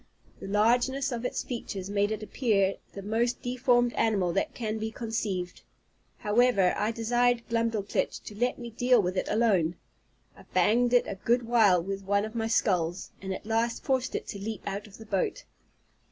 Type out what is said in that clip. The largeness of its features made it appear the most deformed animal that can be conceived. However, I desired Glumdalclitch to let me deal with it alone. I banged it a good while with one of my sculls, and at last forced it to leap out of the boat.